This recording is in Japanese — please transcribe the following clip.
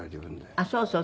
あっそうそうそう。